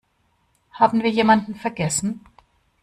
Haben wir jemanden vergessen?